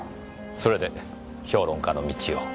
それで評論家の道を？